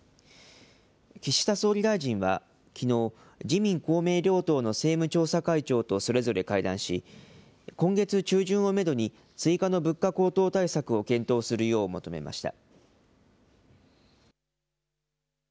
岸田総理大臣はきのう、自民、公明両党の政務調査会長とそれぞれ会談し、今月中旬をメドに、追加の物価高騰対策を検討するよう求めました。